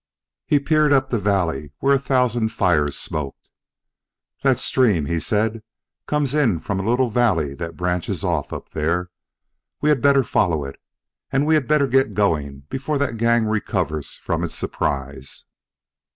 He peered up the valley where a thousand fires smoked. "That stream," he said, "comes in from a little valley that branches off up there. We had better follow it and we had better get going before that gang recovers from its surprise."